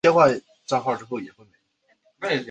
圣日尔曼朗戈。